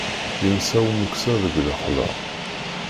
Yensa umeksa deg lexla.